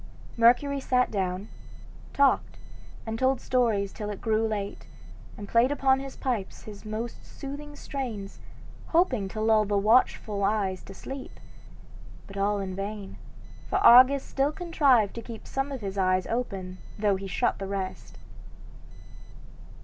Mercury sat down, talked, and told stories till it grew late, and played upon his pipes his most soothing strains, hoping to lull the watchful eyes to sleep, but all in vain; for Argus still contrived to keep some of his eyes open though he shut the rest.